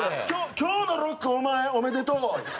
「今日のロックお前。おめでとう」。